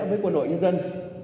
với quân đội nhân dân